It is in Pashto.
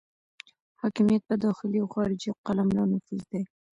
حاکمیت په داخلي او خارجي قلمرو نفوذ دی.